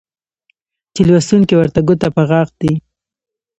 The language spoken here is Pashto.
چې لوستونکى ورته ګوته په غاښ دى